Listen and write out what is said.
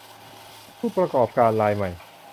ผู้ประกอบการรายใหม่